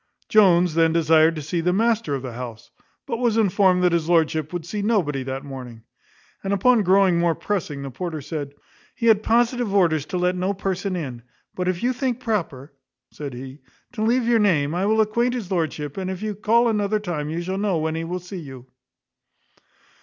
Jones then desired to see the master of the house; but was informed that his lordship would see nobody that morning. And upon growing more pressing the porter said, "he had positive orders to let no person in; but if you think proper," said he, "to leave your name, I will acquaint his lordship; and if you call another time you shall know when he will see you."